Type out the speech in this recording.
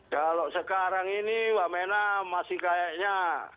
kalau sekarang ini wamena masih kayaknya